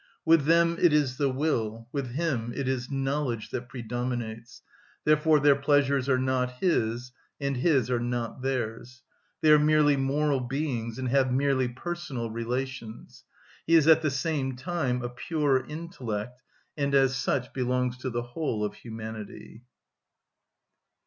With them it is the will, with him it is knowledge, that predominates; therefore their pleasures are not his, and his are not theirs. They are merely moral beings, and have merely personal relations; he is at the same time a pure intellect, and as such belongs to the whole of humanity.